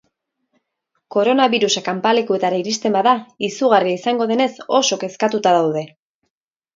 Koronabirusa kanpalekuetara iristen bada, izugarria izango denez, oso kezkatuta daude.